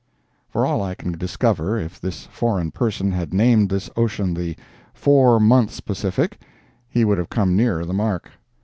From all I can discover, if this foreign person had named this ocean the "Four Months Pacific," he would have come nearer the mark.